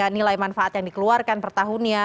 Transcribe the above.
nilai manfaat yang dikeluarkan pertahunnya